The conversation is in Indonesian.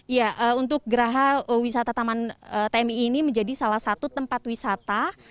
ya untuk geraha wisata taman tmi ini menjadi salah satu tempat wisata